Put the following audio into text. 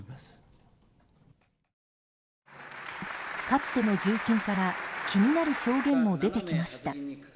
かつての重鎮から気になる証言も出てきました。